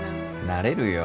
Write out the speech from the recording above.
なれるよ。